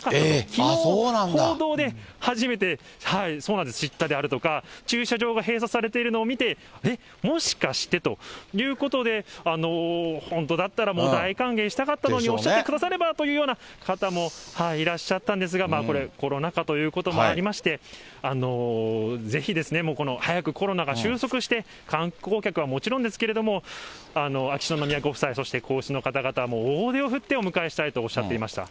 きのう、報道で初めて知ったであるとか、駐車場が閉鎖されているのを見て、えっ、もしかしてということで、本当だったら、もう大歓迎したかったのに、おっしゃってくださればというような方もいらっしゃったんですが、まあ、これ、コロナ禍ということもありまして、ぜひですね、早くコロナが収束して、観光客はもちろんですけれども、秋篠宮ご夫妻、そして皇室の方々も大手を振ってお迎えしたいとおっしゃっていました。